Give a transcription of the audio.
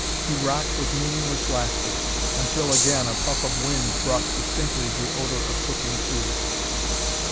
He rocked with meaningless laughter until again a puff of wind brought distinctly the odor of cooking food.